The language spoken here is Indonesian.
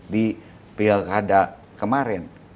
di pilkada kemarin